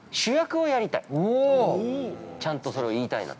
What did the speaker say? ◆ちゃんとそれを言いたいなと。